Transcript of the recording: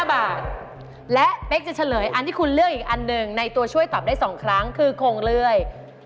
๕บาทและเป๊กจะเฉลยอันที่คุณเลือกอีกอันหนึ่งในตัวช่วยตอบได้๒ครั้งคือคงเลื่อย